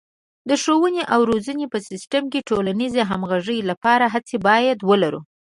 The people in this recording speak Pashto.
د ښوونې او روزنې په سیستم کې د ټولنیزې همغږۍ لپاره هڅې باید ولرو.